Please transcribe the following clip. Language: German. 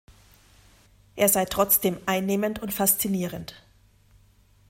Er sei trotzdem „"einnehmend"“ und „"faszinierend"“.